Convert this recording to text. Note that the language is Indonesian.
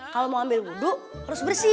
kalau mau ambil wudhu harus bersih